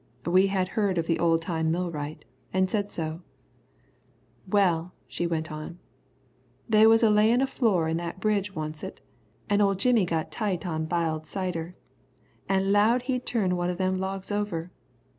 We had heard of the old time millwright, and said so. "Well," she went on, "they was a layin' a floor in that bridge oncet, an' old Jimmy got tight on b'iled cider, an' 'low'd he'd turn one of them logs over.